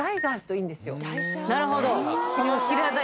なるほど。